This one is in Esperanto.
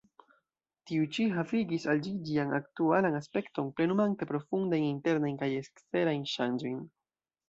Tiu-ĉi havigis al ĝi ĝian aktualan aspekton, plenumante profundajn internajn kaj eksterajn ŝanĝojn.